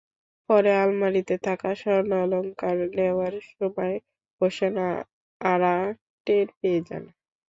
পরে আলমিরাতে থাকা স্বর্ণালংকার নেওয়ার সময় হোসনে আরা টের পেয়ে যান।